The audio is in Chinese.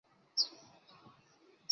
板桥站的铁路车站。